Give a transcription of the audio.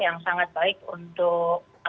yang sangat baik untuk